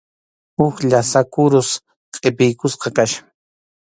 Huk llasa kurus qʼipiykusqa kachkan.